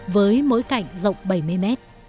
với mỗi cạnh rộng bảy mươi m